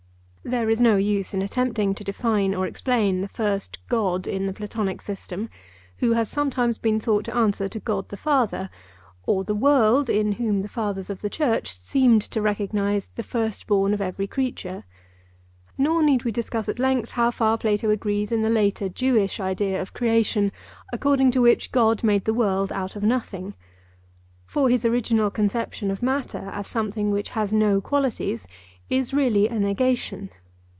There is no use in attempting to define or explain the first God in the Platonic system, who has sometimes been thought to answer to God the Father; or the world, in whom the Fathers of the Church seemed to recognize 'the firstborn of every creature.' Nor need we discuss at length how far Plato agrees in the later Jewish idea of creation, according to which God made the world out of nothing. For his original conception of matter as something which has no qualities is really a negation.